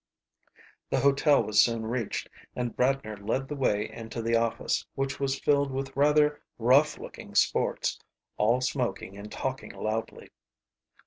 The hotel was soon reached and Bradner led the way into the office, which was filled with rather rough looking sports, all smoking and talking loudly.